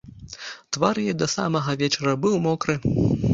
Твар яе да самага вечара быў мокры.